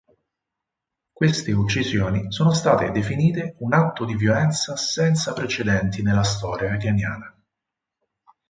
Queste uccisioni sono state definite "un atto di violenza senza precedenti nella storia iraniana".